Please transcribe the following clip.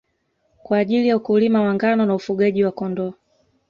kwa ajili ya ukulima wa ngano na ufugaji wa Kondoo